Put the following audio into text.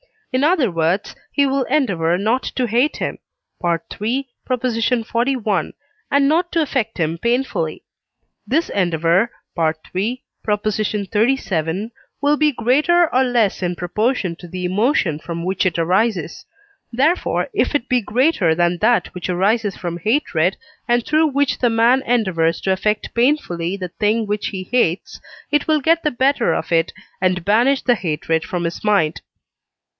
In other words, he will endeavour not to hate him (III. xli.), and not to affect him painfully; this endeavour (III. xxxvii.) will be greater or less in proportion to the emotion from which it arises. Therefore, if it be greater than that which arises from hatred, and through which the man endeavours to affect painfully the thing which he hates, it will get the better of it and banish the hatred from his mind.